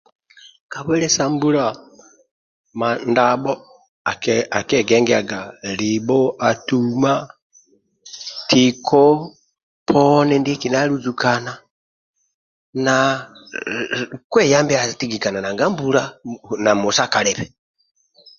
Ka bwile sa mbula ma ndabho akiegengiaga libho atuma tiko poni ndiekina aluzukana na kweyambia atigikana nanga mbula na musa kalibe